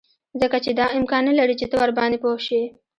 ځکه چې دا امکان نلري چې ته ورباندې پوه شې